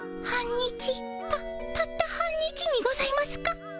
たたった半日にございますか？